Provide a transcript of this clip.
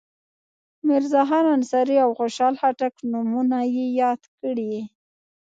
میرزاخان انصاري او خوشحال خټک نومونه یې یاد کړي.